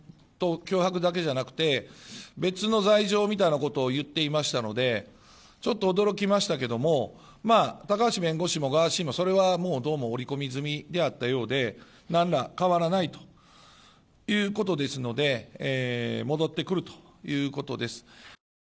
脅迫だけじゃなくて別の罪状みたいなことを言っていましたのでちょっと驚きましたけれども高橋弁護士もガーシーもそれは、どうも織り込み済みであったようで何ら変わらないということでしたので戻ってくるということです。